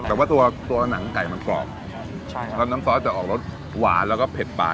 แต่ว่าหนังไก่มันกรอบแล้วน้ำซ้อน้ำจะเป็นรสร้านใหม่วาคแล้วก็มีเผ็ดไป